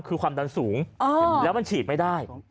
คือความดันสูงแล้วมันฉีดไม่ได้